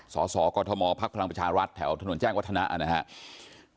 สสกมพักพลังประชารัฐแถวถนนแจ้งวัฒนะนะครับ